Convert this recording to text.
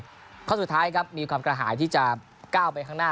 ข้อสุดท้ายครับมีความกระหายที่จะก้าวไปข้างหน้า